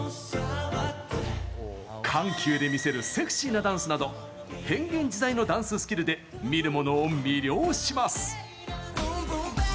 緩急で魅せるセクシーなダンスなど変幻自在のダンススキルで見る者を魅了します！